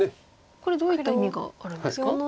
これどういった意味があるんですか？